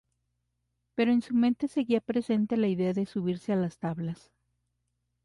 Pero en su mente seguía presente la idea de subirse a las tablas.